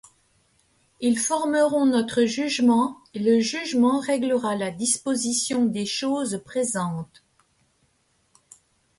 Ils formeront notre jugement et le jugement réglera la disposition des choses présentes.